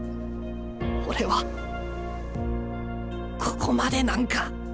俺はここまでなんか？